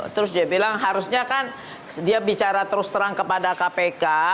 terus dia bilang harusnya kan dia bicara terus terang kepada kpk